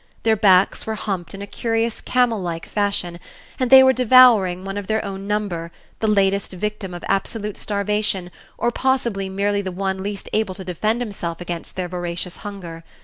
Their backs were humped in a curious, camel like fashion, and they were devouring one of their own number, the latest victim of absolute starvation or possibly merely the one least able to defend himself against their voracious hunger.